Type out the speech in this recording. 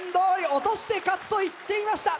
落として勝つと言っていました。